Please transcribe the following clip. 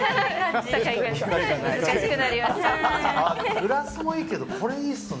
グラスもいいけどこれいいっすね。